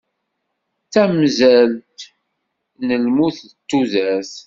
D tamsalt n lmut d tudert.